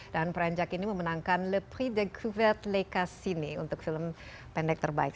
dan peranjak ini memenangkan le prix de couvert les cassines untuk film pendek terbaik